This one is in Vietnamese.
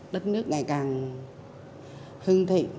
đất nước ngày càng hưng thịnh